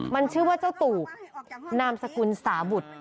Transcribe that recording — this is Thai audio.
มันชื่อว่าเจ้าตูบนามสกุลสาบุตร